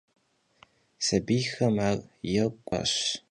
Sabiyxem ar yêk'uuu yağezeş'aş.